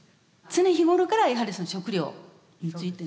常日頃からやはり食料についてね